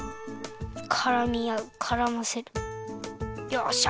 よっしゃ！